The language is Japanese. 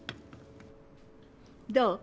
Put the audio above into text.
どう？